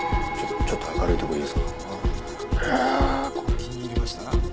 気に入りました？